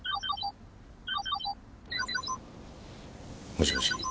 もしもし。